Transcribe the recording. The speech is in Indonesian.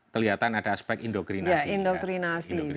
kelihatan ada aspek indokrinasi